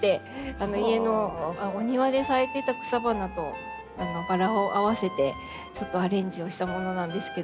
家のお庭で咲いてた草花とバラを合わせてちょっとアレンジをしたものなんですけど。